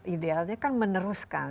idealnya kan meneruskan